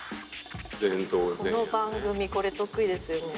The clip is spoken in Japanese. この番組これ得意ですよね。